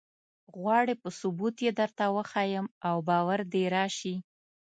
غواړې په ثبوت یې درته وښیم او باور دې راشي.